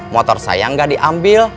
motor saya gak diambil